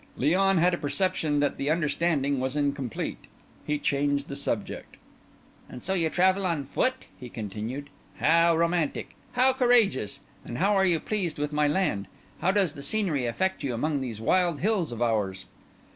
Léon had a perception that the understanding was incomplete. He changed the subject. "And so you travel on foot?" he continued. "How romantic! How courageous! And how are you pleased with my land? How does the scenery affect you among these wild hills of ours?"